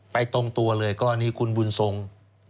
ตรงตัวเลยกรณีคุณบุญทรง